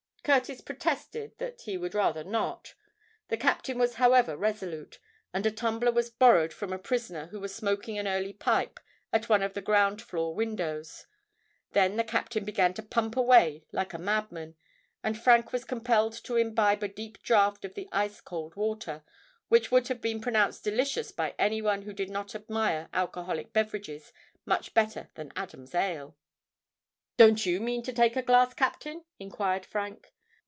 Curtis protested that he would rather not;—the captain was however resolute; and a tumbler was borrowed from a prisoner who was smoking an early pipe at one of the ground floor windows. Then the captain began to pump away like a madman; and Frank was compelled to imbibe a deep draught of the ice cold water, which would have been pronounced delicious by any one who did not admire alcoholic beverages much better than Adam's ale. "Don't you mean to take a glass, captain?" enquired Frank.